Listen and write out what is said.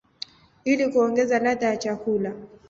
ili kuongeza ladha ya chakula.